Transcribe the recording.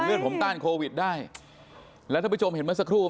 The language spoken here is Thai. เลือกผมต้านการโควิดได้และถ้าผู้ชมเห็นเหมือนกันสักครู่ไหม